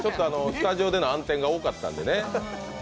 スタジオでの暗転が多かったんでね。